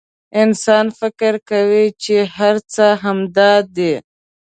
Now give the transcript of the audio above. انسان فکر کوي چې هر څه همدا دي.